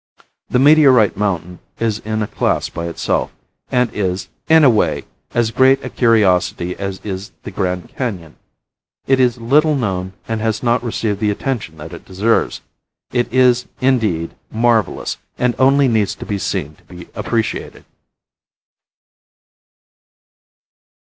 The Meteorite Mountain is in a class by itself and is, in a way, as great a curiosity as is the Grand Canon. It is little known and has not received the attention that it deserves. It is, indeed, marvelous and only needs to be seen to be appreciated.